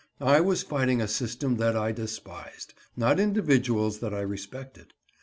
I was fighting a system that I despised, not individuals that I respected.